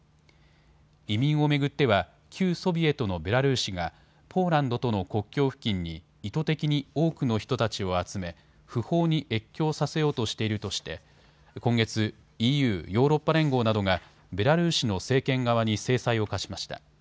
移民を巡っては旧ソビエトのベラルーシがポーランドとの国境付近に意図的に多くの人たちを集め不法に越境させようとしているとして今月、ＥＵ・ヨーロッパ連合などがベラルーシの政権側に制裁を科しました。